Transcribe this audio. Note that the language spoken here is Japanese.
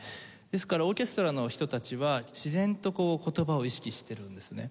ですからオーケストラの人たちは自然とこう言葉を意識してるんですね。